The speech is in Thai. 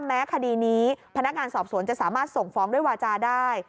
แม้คดีนี้พนักงานสอบสวนจะสามารถส่งฟ้องด้วยวาจาได้